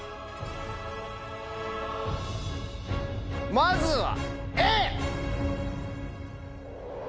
まずはＡ！